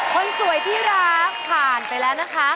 คนสวยที่รักผ่านไปแล้วนะคะ